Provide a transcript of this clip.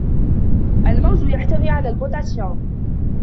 الموز يحتوي على البوتاسيوم